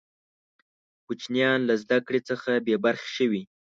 کوچنیان له زده کړي څخه بې برخې شوې.